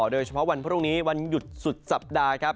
โดยเฉพาะวันพรุ่งนี้วันหยุดสุดสัปดาห์ครับ